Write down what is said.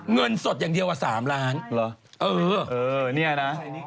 เงินสดเท่าไหร่